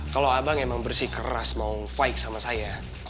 kalau abang emang bersih keras mau fight sama saya